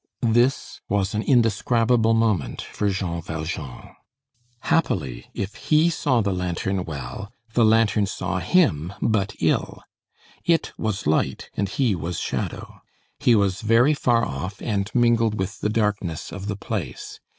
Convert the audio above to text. This was an indescribable moment for Jean Valjean. Happily, if he saw the lantern well, the lantern saw him but ill. It was light and he was shadow. He was very far off, and mingled with the darkness of the place.